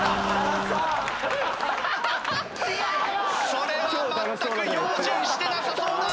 それは全く用心してなさそうだ！